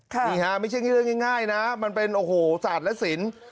นี่ฮะไม่ใช่เรื่องง่ายนะมันเป็นโอ้โหศาสตร์และศิลป์